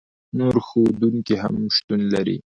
نور ښودونکي هم شتون لري.